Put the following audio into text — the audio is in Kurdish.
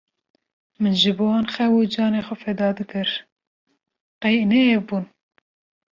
min ji bo wan xew û canê xwe feda dikir qey ne ew bûn.